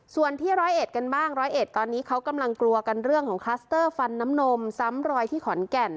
ส่วนที่ร้อยเอ็ดกันบ้างร้อยเอ็ดตอนนี้เขากำลังกลัวกันเรื่องของคลัสเตอร์ฟันน้ำนมซ้ำรอยที่ขอนแก่น